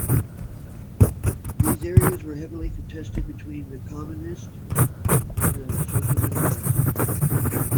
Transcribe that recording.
These areas were heavily contested between the Communists and the Social Democrats.